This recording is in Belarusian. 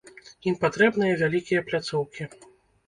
Ім патрэбныя вялікія пляцоўкі.